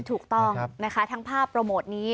ถูกต้องนะคะทั้งภาพโปรโมทนี้